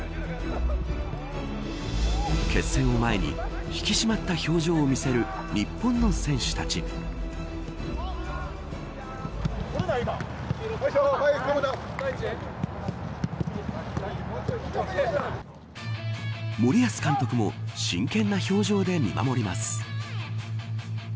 決戦を前に引き締まった表情を見せる日本の選手たち森保監督も真剣な表情で見守ります。